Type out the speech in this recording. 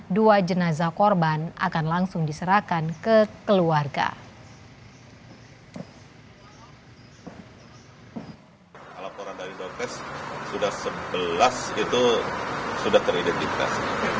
dua jenazah korban akan langsung diserahkan ke keluarga sudah sebelas itu sudah teridentifikasi